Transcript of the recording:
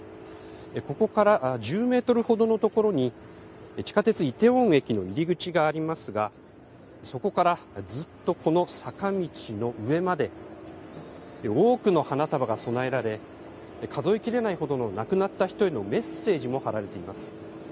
ここから１０メートルほどの所に、地下鉄イテウォン駅の入り口がありますが、そこからずっとこの坂道の上まで、多くの花束が供えられ、数えきれないほどの亡くなった人へのメッセージも貼られています。